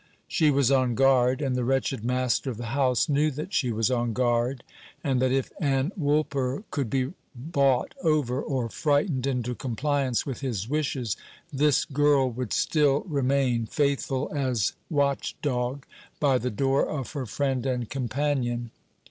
She was on guard; and the wretched master of the house knew that she was on guard, and that if Ann Woolper could be bought over, or frightened into compliance with his wishes, this girl would still remain, faithful as watchdog, by the door of her friend and companion.